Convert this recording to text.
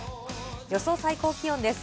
予想最高気温です。